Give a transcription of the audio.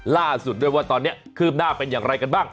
ล่าสุดด้วยว่าตอนนี้คืบหน้าเป็นอย่างไรกันบ้าง